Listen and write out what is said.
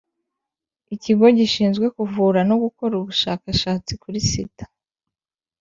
ikigo gishinzwe kuvura no gukora ubushakashatsi kuri sida